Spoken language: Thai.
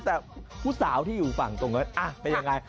แต่ผู้สาวที่อยู่ฝั่งตรงนั้นเป็นยังไง